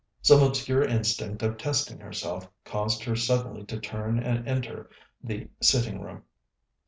Some obscure instinct of testing herself caused her suddenly to turn and enter the sitting room.